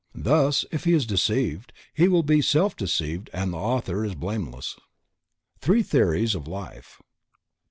Thus, if he is deceived, he will be self deceived and the author is blameless. _Three Theories of Life.